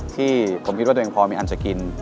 ที่ผมคิดว่าตัวเองพอมีอันจะกิน